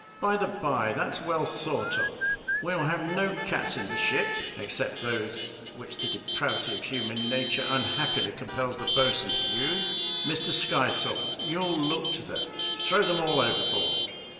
"By the by, that's well thought of we'll have no cats in the ship (except those which the depravity of human nature unhappily compels the boatswain to use). Mr Skysail, you'll look to that. Throw them all overboard."